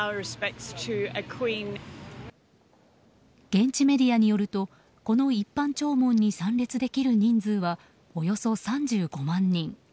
現地メディアによるとこの一般弔問に参列できる人数はおよそ３５万人。